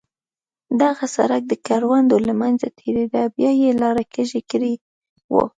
دغه سړک د کروندو له منځه تېرېده، بیا یې لاره کږه کړې وه.